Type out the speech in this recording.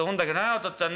お父っつぁんなあ。